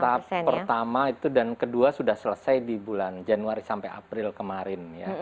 tahap pertama itu dan kedua sudah selesai di bulan januari sampai april kemarin